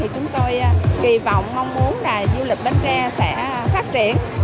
chúng tôi kỳ vọng mong muốn du lịch bến tre sẽ phát triển